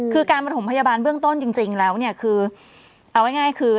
คือการมาส่งโรงพยาบาลเบื้องต้นจริงแล้วเอาง่ายคือ